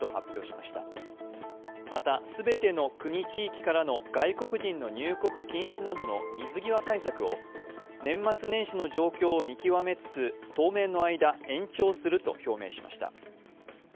また全ての国・地域からの外国人の入国禁止などの水際対策を年末年始の状況を見極めつつ、当面の間、延長すると表明しました。